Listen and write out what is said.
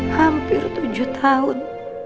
hampir tujuh tahun